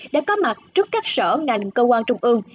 đã có mặt trước các sở ngành cơ quan trung ương